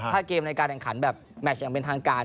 ถ้าเกมในการแข่งขันแบบแมชอย่างเป็นทางการ